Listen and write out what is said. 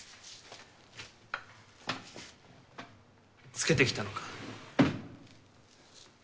つけてきたのか。